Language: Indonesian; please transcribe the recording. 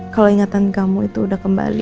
kalau ingatan kamu itu udah kembali